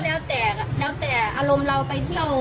แล้วแต่แล้วแต่อารมณ์เราไปเที่ยว